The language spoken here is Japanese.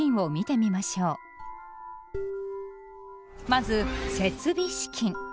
まず「設備資金」。